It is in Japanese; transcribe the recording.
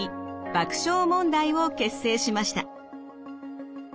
爆笑問題を結成しました。